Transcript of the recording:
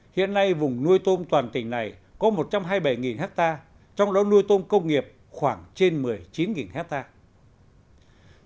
hiện nay vùng nuôi tôm toàn tỉnh này có một trăm hai mươi bảy hectare trong đó nuôi tôm công nghiệp khoảng trên một mươi chín hectare